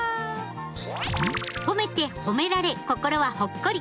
褒めて褒められ心はほっこり。